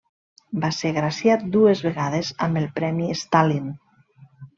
Va ser graciat dues vegades amb el premi Stalin.